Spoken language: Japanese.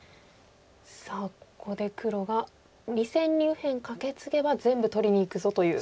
さあここで黒が２線に右辺カケツゲば全部取りにいくぞという手ですよね